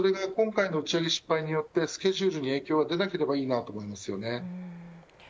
今回の打ち上げ失敗によってスケジュールに影響が出なければいいと思います。